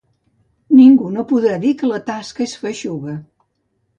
Ningú no podrà dir que la tasca és feixuga….